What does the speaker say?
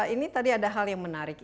ini tadi ada hal yang menarik